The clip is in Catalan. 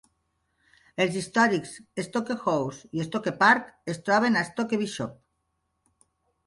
Els històrics Stoke House i Stoke Park es troben a Stoke Bishop.